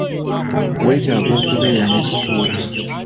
Weetaaga okubeera n'essuubi.